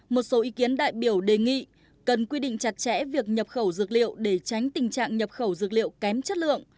một số ý kiến đại biểu đề nghị cần quy định chặt chẽ việc nhập khẩu dược liệu để tránh tình trạng nhập khẩu dược liệu kém chất lượng